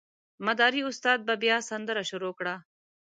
مداري استاد به بیا سندره شروع کړه.